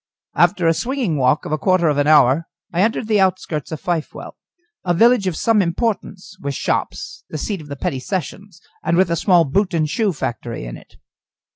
After a swinging walk of a quarter of an hour I entered the outskirts of Fifewell, a village of some importance, with shops, the seat of the petty sessions, and with a small boot and shoe factory in it.